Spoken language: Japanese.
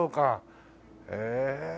へえ。